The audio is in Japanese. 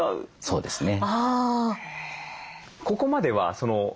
そうですね。